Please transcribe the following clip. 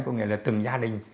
có nghĩa là từng gia đình